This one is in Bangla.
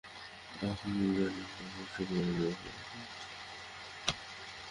আপনি জানেন উমা সুকুমারকে ভালোবাসে।